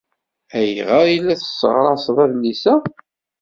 Ayɣer ay la tesseɣraseḍ adlis-a?